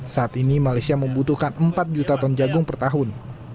saat ini malaysia membutuhkan empat juta ton jagung per tahun